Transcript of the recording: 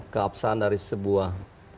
keabsahan dari sebuah